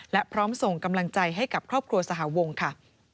และพร้อมส่งกำลังใจให้กับครอบครัวสหวงค่ะ